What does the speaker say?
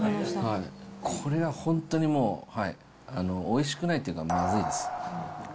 これはもう本当においしくないというか、まずいです。